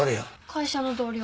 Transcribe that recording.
会社の同僚。